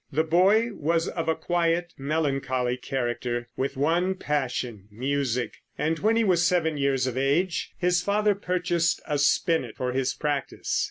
The boy was of a quiet, melancholy character, with one passion music; and when he was seven years of age his father purchased a spinet for his practice.